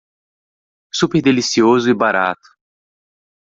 Super delicioso e barato